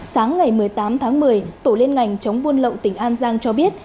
sáng ngày một mươi tám tháng một mươi tổ liên ngành chống buôn lậu tỉnh an giang cho biết